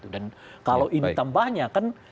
dan kalau ini tambahnya